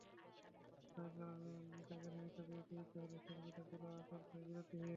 অসুস্থতার কারণে কাজে খানিকটা বিরতি নিতে হলেও সেলফি তোলা চলছে বিরতিহীন।